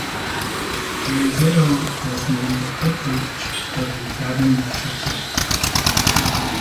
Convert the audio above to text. Jairzinho was named head coach of the Gabon national team.